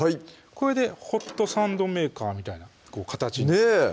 これでホットサンドメーカーみたいな形にねぇ！